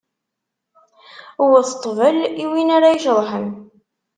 Wwet ṭṭbel i win ar a iceḍḥen.